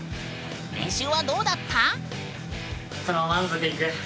練習はどうだった？